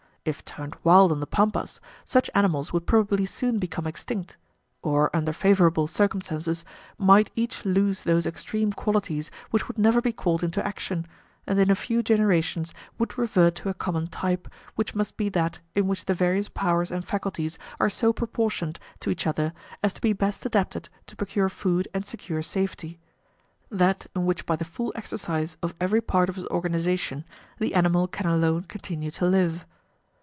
If turned wild on the pampas, such animals would probably soon become extinct, or under favourable circumstances might each lose those extreme qualities which would never be called into action, and in a few generations would revert to a common type, which must be that in which the various powers and faculties are so proportioned to each other as to be best adapted to procure food and secure safety, that in which by the full exercise of every part of his organization the animal can alone continue to live.